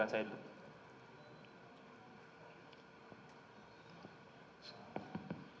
lanjutkan wajar saya dulu